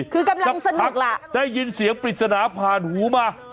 คือกำลังสนุกล่ะได้ยินเสียงปริศนาผ่านหูมา